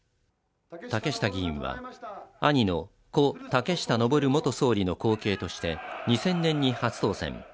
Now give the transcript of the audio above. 竹下議員は、兄の故・竹下登元総理の後継として２０００年に初当選。